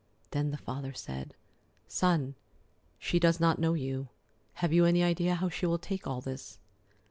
Then the father said: "Son, she does not know you. Have you any idea how she will take all this?"